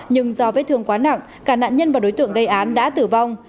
nhưng do vết thương quá nặng cả nạn nhân và đối tượng gây án đã tử vong